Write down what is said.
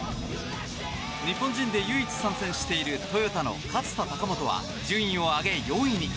日本人で唯一参戦しているトヨタの勝田貴元は順位を上げ４位に。